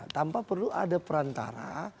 tanpa perlu ada perantara